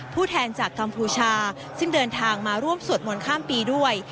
แทนจากกัมพูชาซึ่งเดินทางมาร่วมสวดมนต์ข้ามปีด้วย